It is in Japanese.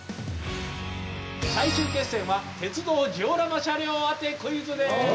最終決戦は鉄道ジオラマ車両あてクイズです！